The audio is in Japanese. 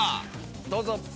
どうぞ。